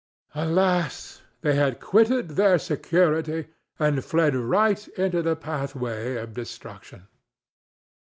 Alas! they had quitted their security and fled right into the pathway of destruction.